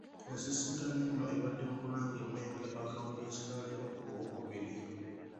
Ensisinkano eno ebadde mu Bulange e Mmengo akawungeezi ka leero ku Lwookubiri.